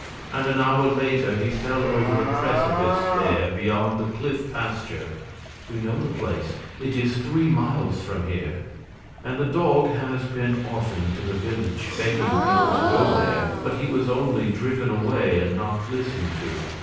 "And an hour later he fell over the precipice there beyond the Cliff Pasture." "We know the place; it is three miles from here." "And the dog has been often to the village, begging people to go there, but he was only driven away and not listened to."